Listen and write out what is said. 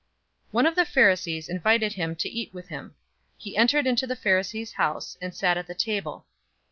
007:036 One of the Pharisees invited him to eat with him. He entered into the Pharisee's house, and sat at the table.